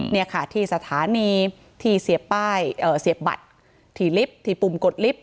นี่ค่ะที่สถานีที่เสียป้ายเสียบบัตรที่ลิฟต์ที่ปุ่มกดลิฟต